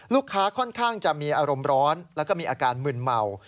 ค่อนข้างจะมีอารมณ์ร้อนแล้วก็มีอาการมึนเมา